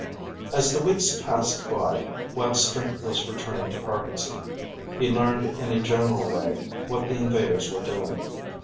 As the weeks passed by, while strength was returning to Parkinson, he learned in a general way what the invaders were doing.